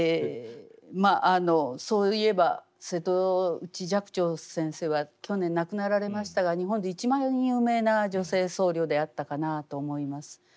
そういえば瀬戸内寂聴先生は去年亡くなられましたが日本で一番有名な女性僧侶であったかなあと思います。